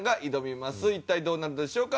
一体どうなるんでしょうか。